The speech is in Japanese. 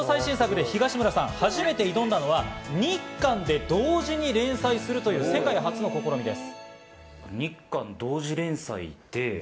そんな最新作、東村さんが挑んだのは、日韓で同時に連載するという世界初の試みです。